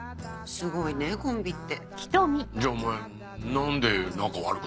すごいねコンビって。